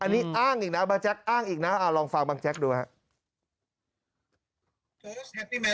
นี้อ้างอีกนะบางแจ็คลองฟังบางแจ็คดูครับ